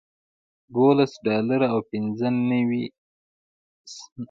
دولس ډالره او پنځه نوي سنټه